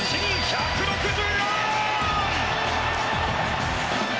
１６４！